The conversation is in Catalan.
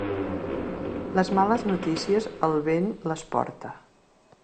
Les males notícies, el vent les porta.